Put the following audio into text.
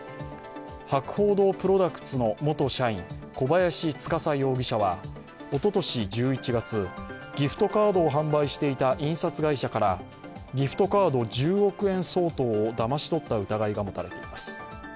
博報堂プロダクツの元社員小林司容疑者はおととし１１月、ギフトカードを販売していた印刷会社からギフトカード１０億円相当をだまし取った疑いが持たれています。